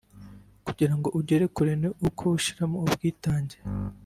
Kugira ngo ugere kure ni uko ushyiramo ubwitange